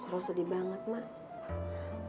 ruh sedih banget mak